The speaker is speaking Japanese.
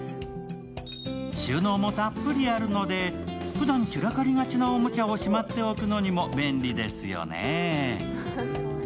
収納もたっぷりあるので、ふだん散らかりがちなおもちゃをしまっておくのにも便利ですよね。